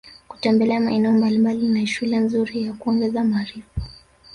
Kutembla maeneo mbalimbali ni shule nzuri ya kuongeza maarifa